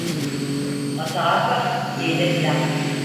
Ata arpa, yiğide pilav.